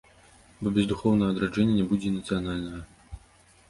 Бо без духоўнага адраджэння не будзе і нацыянальнага.